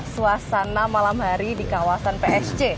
suasana malam hari di kawasan psc